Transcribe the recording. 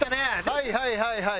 はいはいはいはい。